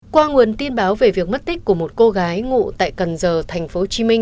qua nguồn tin báo về việc mất tích của một cô gái ngụ tại cần giờ tp hcm